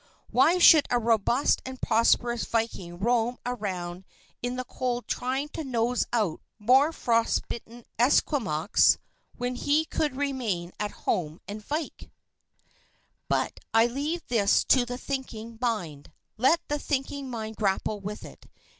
Why should a robust and prosperous viking roam around in the cold trying to nose out more frost bitten Esquimaux, when he could remain at home and vike? But I leave this to the thinking mind. Let the thinking mind grapple with it.